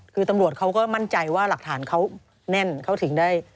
คือตำรวจเขาก็มั่นใจว่าหลักฐานเขาแน่นเขาถึงได้